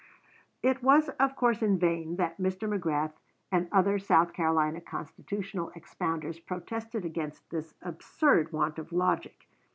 It was, of course, in vain that Mr. Magrath and other South Carolina constitutional expounders protested against this absurd want of logic.